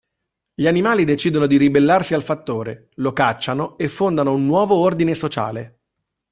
Gli animali decidono di ribellarsi al fattore, lo cacciano e fondano un nuovo ordine sociale.